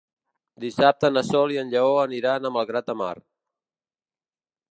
Dissabte na Sol i en Lleó aniran a Malgrat de Mar.